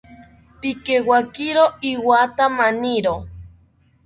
Pikewakiro iwatha maniro